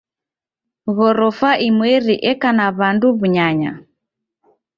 Ghorofa imweri eka na w'andu w'unyanya.